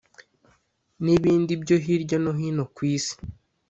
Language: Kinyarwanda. n ibindi byo hirya no hino ku Isi